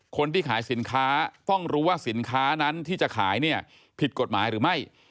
คนที่ขายสินค้าต้องรู้ว่าสินค้านั้นที่จะขายเนี่ยผิดกฎหมายหรือไม่